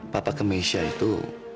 papa ke mesia itu